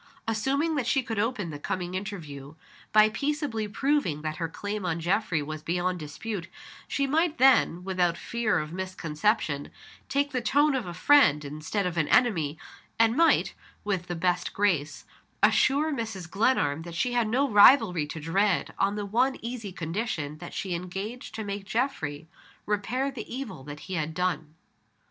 Assuming that she could open the coming interview by peaceably proving that her claim on Geoffrey was beyond dispute, she might then, without fear of misconception, take the tone of a friend instead of an enemy, and might, with the best grace, assure Mrs. Glenarm that she had no rivalry to dread, on the one easy condition that she engaged to make Geoffrey repair the evil that he had done.